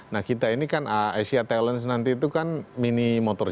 nah kita ini kan asia talent nanti itu kan mini motor